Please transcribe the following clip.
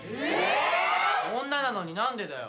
女なのに何でだよ？